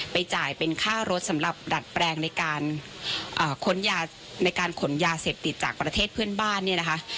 จ่ายเป็นค่ารถสำหรับดัดแปลงในการค้นยาในการขนยาเสพติดจากประเทศเพื่อนบ้านเนี่ยนะคะ